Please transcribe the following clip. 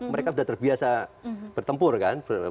mereka sudah terbiasa bertempur kan